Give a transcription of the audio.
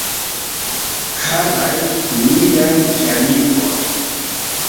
Karaj miaj Geamikoj!